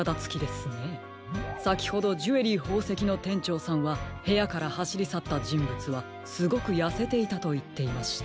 さきほどジュエリーほうせきの店長さんはへやからはしりさったじんぶつはすごくやせていたといっていました。